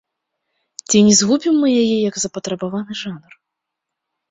Ці не згубім мы яе як запатрабаваны жанр?